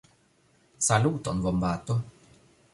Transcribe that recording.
Saluton, vombato!